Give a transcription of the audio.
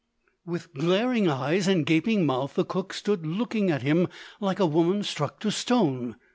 With glaring eyes and gaping mouth, the cook stood looking at him, like a woman struck to stone.